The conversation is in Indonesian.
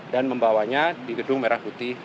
dan membawanya di gedung merah putih